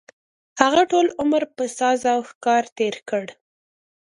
هغه ټول عمر په ساز او ښکار تېر کړ.